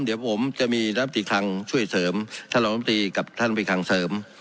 เดี๋ยวผมจะมีรับตีคลังช่วยเสริมท่านรองตรีกับท่านไปคลังเสริม